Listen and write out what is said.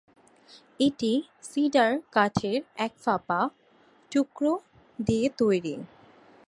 এটি সিডার কাঠের এক ফাঁপা টুকরো দিয়ে তৈরি।